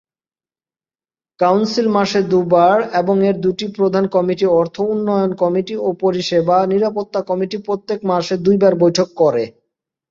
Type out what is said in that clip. Council মাসে দুবার এবং এর দুটি প্রধান কমিটি অর্থ/উন্নয়ন কমিটি ও পরিষেবা/নিরাপত্তা কমিটি প্রত্যেক মাসে দুইবার বৈঠক করে।